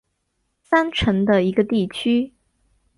三城的一个地区。